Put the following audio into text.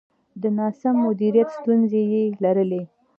د ناسم مدیریت ستونزې یې لرلې.